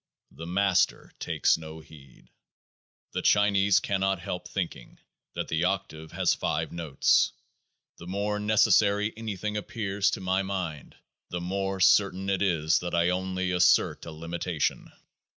The Master takes no heed. 58 The Chinese cannot help thinking that the octave has 5 notes. The more necessary anything appears to my mind, the more certain it is that I only assert a limitation.